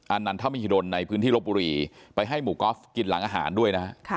อันนันทมิธิดลในพื้นที่รบบุรีไปให้หมู่กอฟกินหลังอาหารด้วย